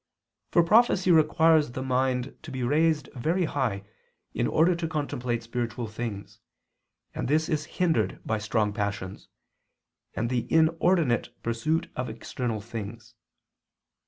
For prophecy requires the mind to be raised very high in order to contemplate spiritual things, and this is hindered by strong passions, and the inordinate pursuit of external things.